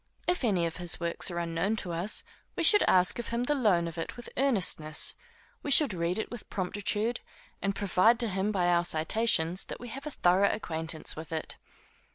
If any of his works are unknown to us, we should ask of him the loan of it with earnestness; we should read it with promptitude, and prove to him by our citations that we have a thorough acquaintance with it.